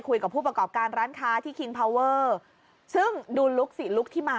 คุยกับผู้ประกอบการร้านค้าที่ซึ่งดูลุคสิลุคที่มา